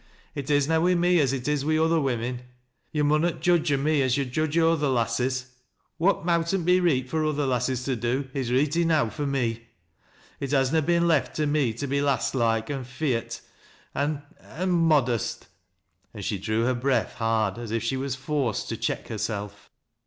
" It is na wi' me as it is wi' other women. Yo' munnot judge o' me as yo' judge o' other lasses. What mowtii't be reet fur other lasses to do, is reet enow fur me. It has na been left to ne to be lass loike, an' feart, an' — an' modest," and she drew her breath hard, a? if she was forced to check herself.